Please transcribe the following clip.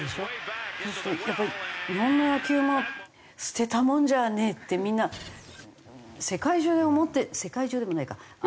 そうするとやっぱり日本の野球も捨てたもんじゃねえってみんな世界中で思って世界中でもないかアメリカでも。